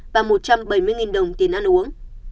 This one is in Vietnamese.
và một trăm bảy mươi đồng tiền ăn uống